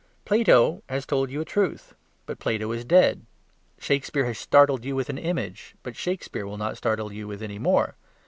Plato has told you a truth; but Plato is dead. Shakespeare has startled you with an image; but Shakespeare will not startle you with any more.